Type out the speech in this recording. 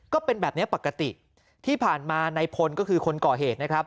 ก็เป็นแบบนี้ปกติที่ผ่านมาในพลก็คือคนก่อเหตุนะครับ